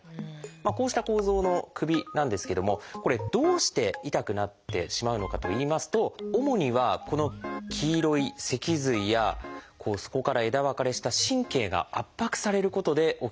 こうした構造の首なんですけどもこれどうして痛くなってしまうのかといいますと主にはこの黄色い脊髄やそこから枝分かれした神経が圧迫されることで起きているんです。